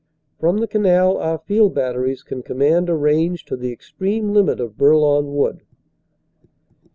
From the canal our field batteries can command a range to the extreme limit of Bourlon Wood.